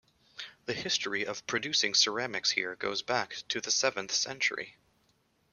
The history of producing ceramics here goes back to the seventh century.